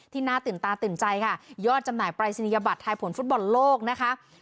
น่าตื่นตาตื่นใจค่ะยอดจำหน่ายปรายศนียบัตรทายผลฟุตบอลโลกนะคะ